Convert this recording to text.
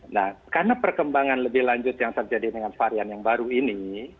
nah karena perkembangan lebih lanjut yang terjadi dengan varian yang baru ini